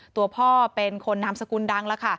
ตัวพ่อเป็นคนนามสกุลดังแล้วค่ะ